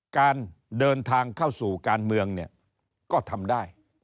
การเดินทางเข้าสู่การเมืองเนี่ยก็ทำได้